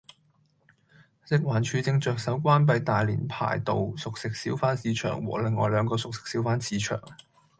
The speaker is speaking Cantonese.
食環署正着手關閉大連排道熟食小販市場和另外兩個熟食小販市場